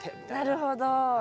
なるほど。